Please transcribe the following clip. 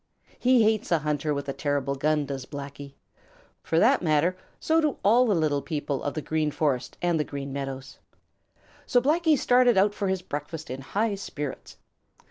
He hates a hunter with a terrible gun, does Blacky. For that matter, so do all the little people of the Green Forest and the Green Meadows. So Blacky started out for his breakfast in high spirits.